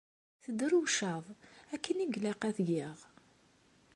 Teddrewceḍ, akken i ilaq ad geɣ!